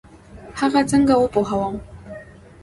هغه څنګه وپوهوم؟